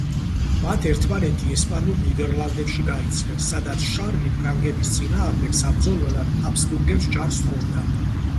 მათ ერთმანეთი ესპანურ ნიდერლანდებში გაიცნეს, სადაც შარლი ფრანგების წინააღმდეგ საბრძოლველად ჰაბსბურგებს ჯარს სთხოვდა.